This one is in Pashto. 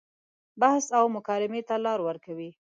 بحث او مکالمې ته لار ورکوي.